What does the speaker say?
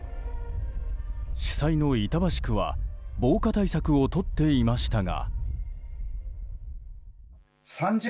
主催の板橋区は防火対策をとっていましたが。